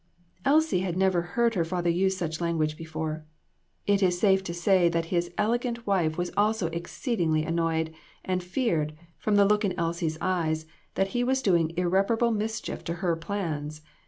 Elsie had never heard her father use such lan guage before. It is safe to say that his elegant wife was also exceedingly annoyed, and feared, from the look in Elsie's eyes, that he was doing irreparable mischief to her plans.